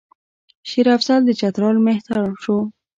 شېر افضل د چترال مهتر شو.